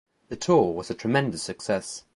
The tour was a tremendous success.